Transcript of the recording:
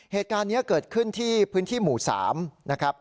เหตุการณ์นี้เกิดขึ้นที่พื้นที่หมู่๓นะครับ